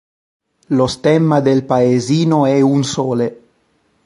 Lo stemma del paesino è un sole.